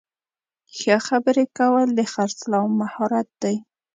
ښه خبرې کول د خرڅلاو مهارت دی.